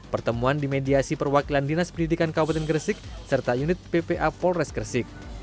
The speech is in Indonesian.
pertemuan dimediasi perwakilan dinas pendidikan kabupaten gresik serta unit ppa polres gresik